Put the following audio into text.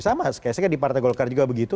sama kayak saya di partai golkar juga begitu